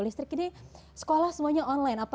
listrik ini sekolah semuanya online